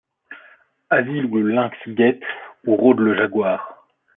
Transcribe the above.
Asile où le lynx guette, où rôde lé jaguar